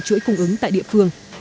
chuỗi cung ứng tại địa phương